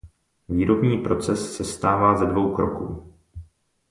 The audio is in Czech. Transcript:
Výrobní proces sestává ze dvou kroků.